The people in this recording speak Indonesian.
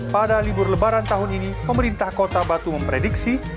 pada libur lebaran tahun ini pemerintah kota batu memprediksi